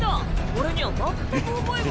俺には全く覚えが。